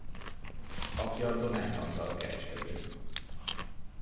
Apja Donáth Antal kereskedő.